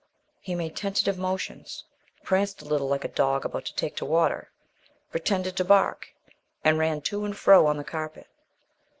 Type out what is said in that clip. He made tentative motions, pranced a little like a dog about to take to water, pretended to bark, and ran to and fro on the carpet.